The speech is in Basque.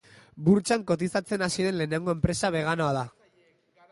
Burtsan kotizatzen hasi den lehenengo enpresa beganoa da.